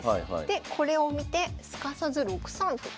でこれを見てすかさず６三歩。